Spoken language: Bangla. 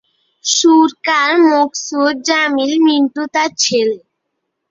সুরকার মকসুদ জামিল মিন্টু তার ছেলে।